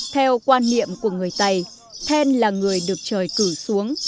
theo quan niệm của người tày then là người được trời cử xuống